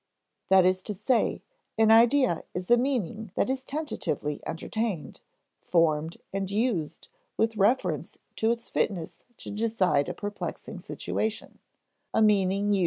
_That is to say, an idea is a meaning that is tentatively entertained, formed, and used with reference to its fitness to decide a perplexing situation, a meaning used as a tool of judgment.